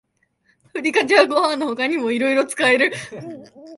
ふりかけはご飯の他にもいろいろ使える